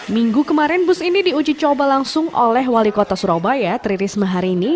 minggu kemarin bus ini diuji coba langsung oleh wali kota surabaya tririsma harini